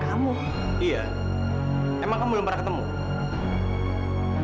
saatnya dia benar benar dimiliki kekuatannya